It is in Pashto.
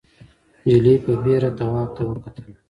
نجلۍ په بېره تواب ته وکتل.